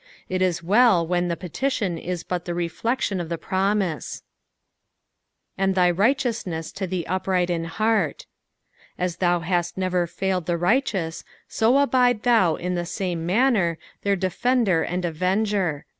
It is well when the petition is but the reflection of the promise. "And thy righteoutneu to the upright in heart.'' As thou hast never failed the righteous, so abide thou in the same manner their defender and avenger.